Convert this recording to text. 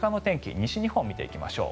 西日本、見ていきましょう。